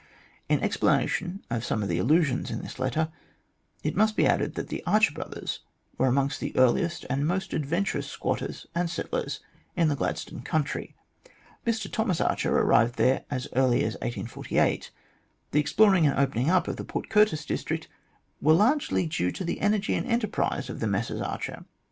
In explanation of some allusions in this letter, it may be added that the Archer Brothers were amongst the earliest and most adventurous squatters and settlers in the Gladstone country. Mr Thomas Archer arrived there as early as 1848. The exploring and opening up of the Port Curtis district were largely due to the energy and enterprise of the Messrs Archer.